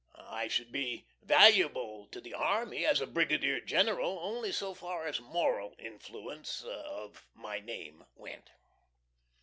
I should be valuable to the army as a Brigadier General only so far as the moral influence of my name went.